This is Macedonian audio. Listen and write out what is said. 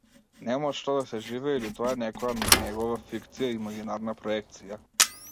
Нема од што да се живее, или тоа е некоја негова фикција, имагинарна проекција.